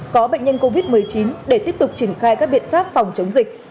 có bệnh nhân covid một mươi chín để tiếp tục triển khai các biện pháp phòng chống dịch